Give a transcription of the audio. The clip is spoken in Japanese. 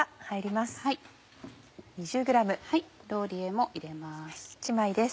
ローリエも入れます。